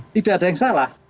tidak ada yang salah